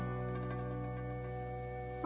あ。